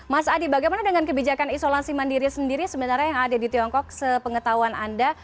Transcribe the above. mas adi bagaimana dengan kebijakan isolasi mandiri sendiri sebenarnya yang ada di tiongkok sepengetahuan anda